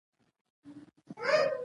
دا ځل رواني ماته ژوره شوه